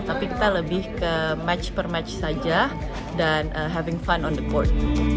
tapi kita lebih ke match per match saja dan having fund on the board